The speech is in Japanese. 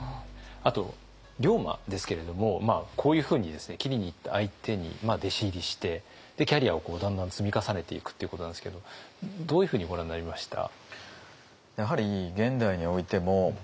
あと龍馬ですけれどもこういうふうに斬りにいった相手に弟子入りしてキャリアをだんだん積み重ねていくっていうことなんですけどどういうふうにご覧になりました？